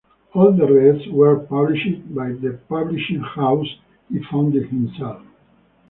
All the rest were published by the publishing house he founded himself.